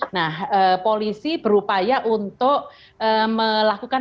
nah polisi berupaya untuk melakukan